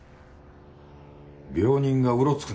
病人がうろつくな。